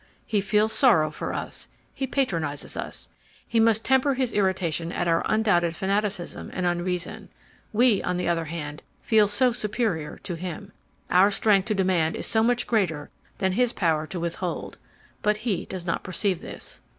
He feels sorrow for us. He patronizes us. He must temper his irritation at our undoubted fanaticism and unreason. We, on the other hand, feel so superior to him. Our strength to demand is so much greater than his power to withhold. But he does not perceive this.